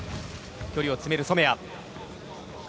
距離を詰める染谷。